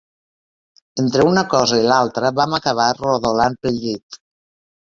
Entre una cosa i l'altra vam acabar rodolant pel llit.